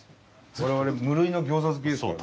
我々無類の餃子好きですからね。